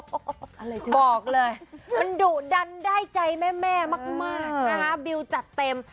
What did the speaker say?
โอ้โหบอกเลยมันดุดันได้ใจแม่มากนะคะบิวจัดเต็ม